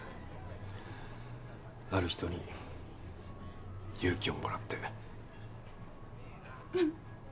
ある人に勇気をもらって。